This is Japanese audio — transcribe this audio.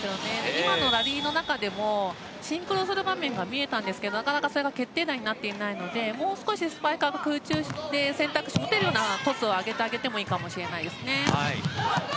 今のラリーの中でもシンクロする場面が見えましたがなかなかそれが決定打になっていないのでもう少しスパイカーが空中で選択肢を持てるようなトスを上げてあげてもいいですね。